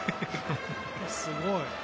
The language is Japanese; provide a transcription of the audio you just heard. すごい。